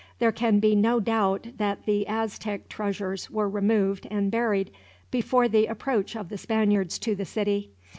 There can be no doubt that the Aztec treasures were removed and buried, before the approach of the Spaniards to the city.